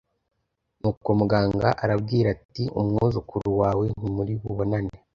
nuko muganga arabwira ati “umwuzukuru wawe ntimuri bubonane”.